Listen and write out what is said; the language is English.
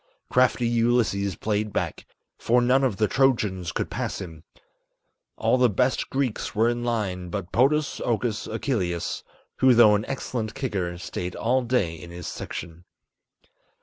Crafty Ulysses played back, for none of the Trojans could pass him, All the best Greeks were in line, but Podas Okus Achilleus, Who though an excellent kicker stayed all day in his section.